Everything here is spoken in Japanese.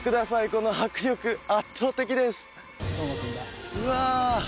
この迫力圧倒的ですうわ